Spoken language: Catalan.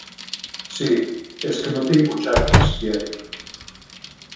Sí, és que no tinc butxaques, tiet.